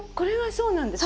そうなんです。